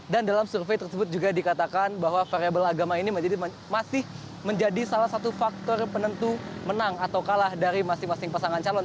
dan dalam survei tersebut juga dikatakan bahwa variable agama ini masih menjadi salah satu faktor penentu menang atau kalah dari masing masing pasangan calon